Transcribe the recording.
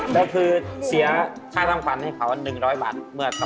แล้วคือเสียค่าสร้างขวัญให้เค้า๑๐๐บาทเมื่อสหร่อย